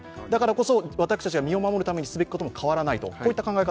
だからこそ、私たちが身を守るためにすることは変わらないと。